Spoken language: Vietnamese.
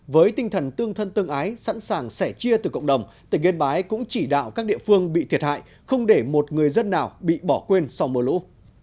với tinh thần tương thân tương ái sẵn sàng sẻ chia từ cộng đồng tỉnh yên bái cũng chỉ đạo các địa phương bị thiệt hại không để một người dân nào bị bỏ quên sau mưa lũ